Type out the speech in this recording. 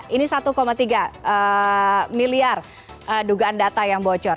ini satu tiga miliar dugaan data yang bocor